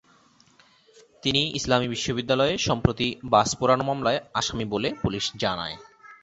তিনি ইসলামী বিশ্ববিদ্যালয়ে সম্প্রতি বাস পোড়ানো মামলায় আসামি বলে পুলিশ জানায়।